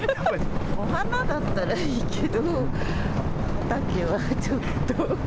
お花だったらいいけど、畑はちょっと。